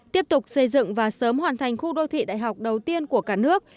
tiếp tục xây dựng và sớm hoàn thành khu đô thị đại học đầu tiên của cả nước